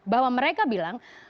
bahwa mereka bilang